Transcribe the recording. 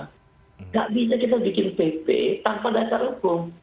tidak bisa kita bikin pp tanpa dasar hukum